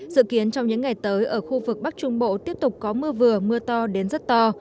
dự kiến trong những ngày tới ở khu vực bắc trung bộ tiếp tục có mưa vừa mưa to đến rất to